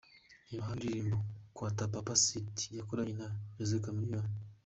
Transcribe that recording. Reba hano indirimbo Nkwaata Papa Cidy yakoranye na Jose Chameleon .